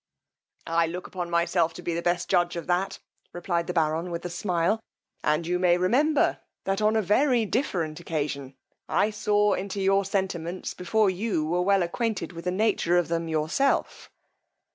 I look upon myself to be the best judge of that, replied the baron with a smile; and you may remember, that on a very different occasion I saw into your sentiments before you were well acquainted with the nature of them yourself.